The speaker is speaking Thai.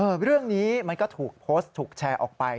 เรื่องนี้มันก็ถูกโพสต์ถูกแชร์ออกไป